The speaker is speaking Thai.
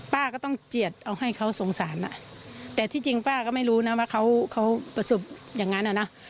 ป้าก็ต้องเจียดเอาให้เขาสงสารอ่ะแต่ที่จริงป้าก็ไม่รู้นะว่าเขาประสบอย่างนั้นอ่ะนะ